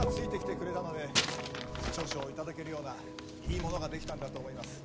みんながついてきてくれたので社長賞を頂けるようないいものが出来たんだと思います。